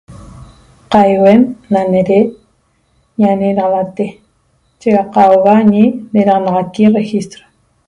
Qaihuen na nere neraxalte cheqaua eñe nenaxalte registro